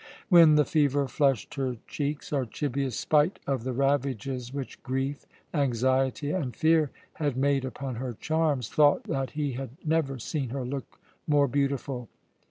When the fever flushed her cheeks, Archibius, spite of the ravages which grief, anxiety, and fear had made upon her charms, thought that he had never seen her look more beautiful.